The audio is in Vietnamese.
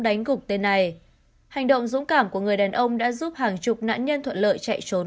đánh gục tên này hành động dũng cảm của người đàn ông đã giúp hàng chục nạn nhân thuận lợi chạy trốn